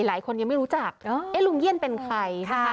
หลายคนยังไม่รู้จักลุงเยี่ยนเป็นใครนะคะ